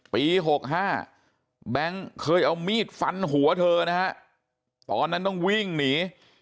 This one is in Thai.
ปี๖๕แบงค์เคยเอามีดฟันหัวเธอนะฮะตอนนั้นต้องวิ่งหนี